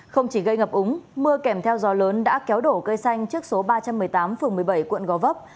không chỉ gây ngập úng mưa kèm theo gió lớn đã kéo đổ cây xanh trước số ba trăm một mươi tám phường một mươi bảy quận gò vấp